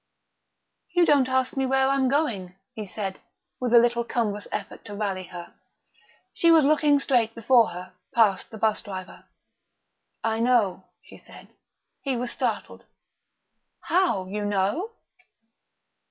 "You don't ask me where I'm going," he said, with a little cumbrous effort to rally her. She was looking straight before her, past the bus driver. "I know," she said. He was startled. "How, you know?"